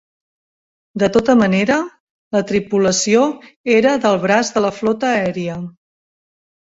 De tota manera, la tripulació era del braç de la flota aèria.